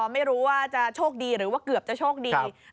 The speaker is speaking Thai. ไม่รู้ว่าจะโชคดีหรือว่าเกือบจะโชคดี